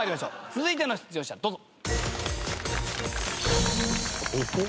続いての出場者どうぞ。